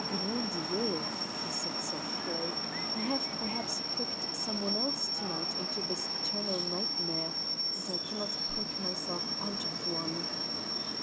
"Grand Dieu!" said he softly, "I have perhaps pricked some one else to night into his eternal nightmare, and I cannot prick myself out of one."